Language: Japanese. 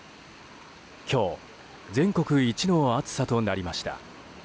今日、全国一の暑さとなりました。